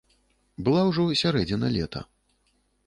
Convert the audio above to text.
Была ўжо сярэдзіна лета.